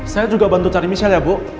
saya juga bantu cari michel ya bu